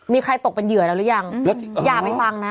มีใครตกเป็นเหยื่อแล้วหรือยังแล้วอย่าไปฟังนะ